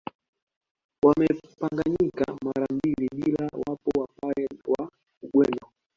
Wamegawanyika mara mbili pia wapo Wapare wa Ugweno